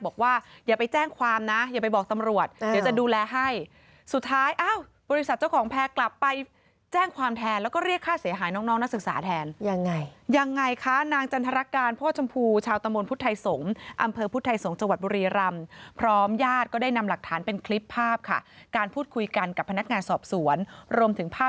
บอกว่าอย่าไปแจ้งความนะอย่าไปบอกตำรวจเดี๋ยวจะดูแลให้สุดท้ายอ้าวบริษัทเจ้าของแพร่กลับไปแจ้งความแทนแล้วก็เรียกค่าเสียหายน้องน้องนักศึกษาแทนยังไงยังไงคะนางจันทรการพ่อชมพูชาวตะมนต์พุทธไทยสงฆ์อำเภอพุทธไทยสงศ์จังหวัดบุรีรำพร้อมญาติก็ได้นำหลักฐานเป็นคลิปภาพค่ะการพูดคุยกันกับพนักงานสอบสวนรวมถึงภาพ